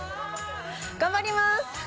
頑張ります！